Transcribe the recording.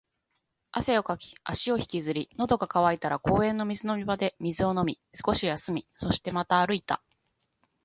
汗をかき、足を引きずり、喉が渇いたら公園の水飲み場で水を飲み、少し休み、そしてまた歩いた